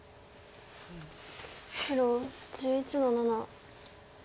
黒１１の七。